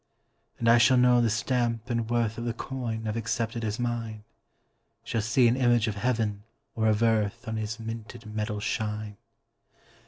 And I shall know the stamp and worth Of the coin I've accepted as mine, Shall see an image of heaven or of earth On his minted metal shine.